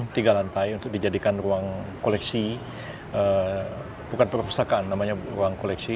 tiga lantai untuk dijadikan ruang koleksi bukan perpustakaan namanya ruang koleksi